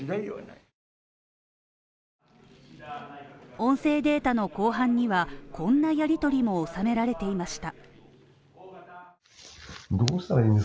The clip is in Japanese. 音声データの後半にはこんなやりとりも収められていました。